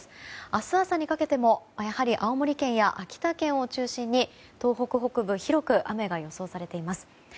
明日朝にかけてもやはり青森県や秋田県を中心に東北北部、広く雨が予想されています。